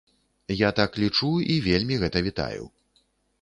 Я так лічу і вельмі гэта вітаю.